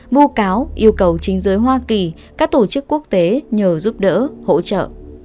vô cáo yêu cầu chính giới hoa kỳ các tổ chức quốc tế nhờ giúp đỡ hỗ trợ